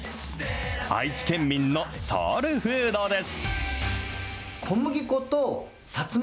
愛知県民のソウルフードです。